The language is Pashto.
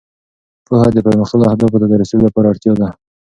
پوهه د پرمختللو اهدافو ته رسېدو لپاره اړتیا ده.